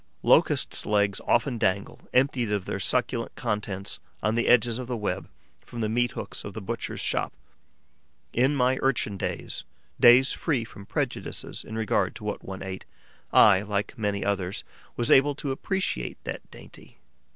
Locusts' legs often dangle, emptied of their succulent contents, on the edges of the web, from the meat hooks of the butcher's shop. In my urchin days, days free from prejudices in regard to what one ate, I, like many others, was able to appreciate that dainty.